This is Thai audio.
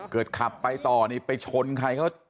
เกิดขับไปต่อไปชนใครเขา